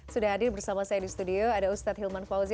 sudah hadir bersama saya di studio ada ustadz hilman fauzi